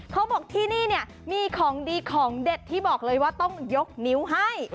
เขาบอกที่นี่เนี่ยมีของดีของเด็ดที่บอกเลยว่าต้องยกนิ้วให้